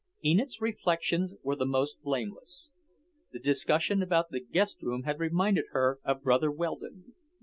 Enid's reflections were the most blameless. The discussion about the guest room had reminded her of Brother Weldon.